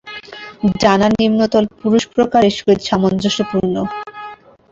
ডানার নিম্নতল পুরুষ প্রকারের সহিত সামঞ্জস্যপূর্ণ।